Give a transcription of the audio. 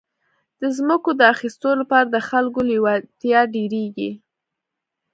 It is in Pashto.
د ځمکو د اخیستو لپاره د خلکو لېوالتیا ډېرېږي.